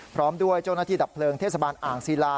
พร้อมด้วยเจ้าหน้าที่ดับเพลิงเทศบาลอ่างศิลา